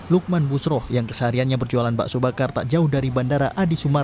lukman busroh yang kesehariannya berjualan bakso bakar tak jauh dari bandara adi sumarno